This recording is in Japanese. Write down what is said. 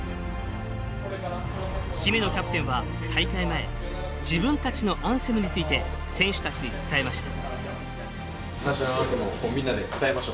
姫野キャプテンは大会前自分たちのアンセムについて選手たちに伝えました。